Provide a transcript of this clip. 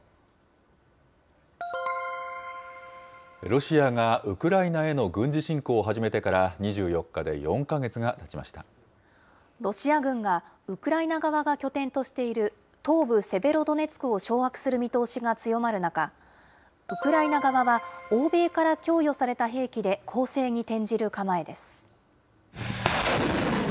ロシアがウクライナへの軍事侵攻を始めてから、ロシア軍が、ウクライナ側が拠点としている東部セベロドネツクを掌握する見通しが強まる中、ウクライナ側は欧米から供与された兵器で攻勢に転じる構えです。